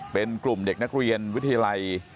เป็นกลุ่มเด็กนักเรียนวิทยาลัย